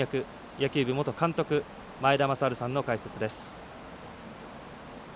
野球部元監督前田正治さんの解説です。